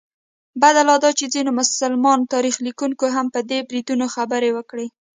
بده لا دا چې ځینو مسلمان تاریخ لیکونکو هم په دې بریدونو خبرې وکړې.